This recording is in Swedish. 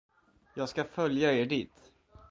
Jag skall följa er dit.